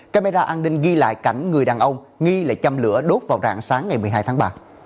camera an ninh ghi lại cảnh người đàn ông nghi là chăm lửa đốt vào rạng sáng ngày một mươi hai tháng ba